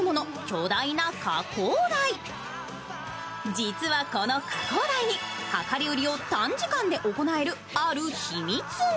実はこの加工台に、量り売りを短時間で行えるある秘密が。